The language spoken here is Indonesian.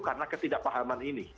karena ketidakpahaman ini